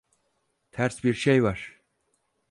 Ters bir şey var.